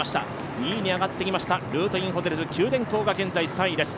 ２位に上がってきました、ルートインホテルズ、九電工が現在３位です。